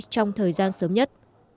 trong thời gian sớm nhất